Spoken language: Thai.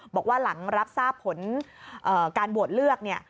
บอกว่าหลังรับทราบผลการโหวตเลือกเนี่ย